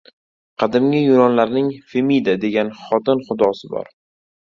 Qadimgi yunonlarning Femida degan xotin xudosi bor.